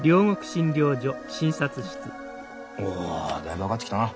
おだいぶ分かってきたな。